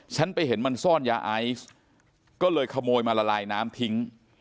ฉันไปเห็นมันซ่อนยาไอซ์ก็เลยขโมยมาละลายน้ำทิ้ง